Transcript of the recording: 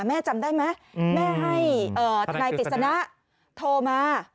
แม่จำได้ไหมแม่ให้ทนายกฤษณะโทรมา